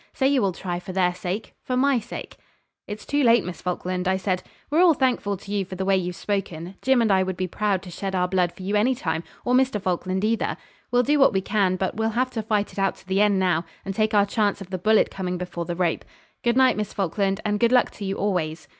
Say you will try for their sake for my sake.' 'It's too late, Miss Falkland,' I said. 'We're all thankful to you for the way you've spoken. Jim and I would be proud to shed our blood for you any time, or Mr. Falkland either. We'll do what we can, but we'll have to fight it out to the end now, and take our chance of the bullet coming before the rope. Good night, Miss Falkland, and good luck to you always.'